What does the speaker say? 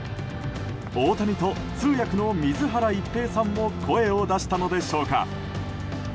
大谷と、通訳の水原一平さんも声を出したのでしょうか。